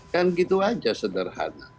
kan gitu saja sederhana